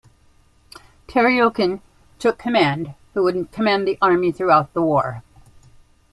Teryokhin took command, who would command the Army throughout the war.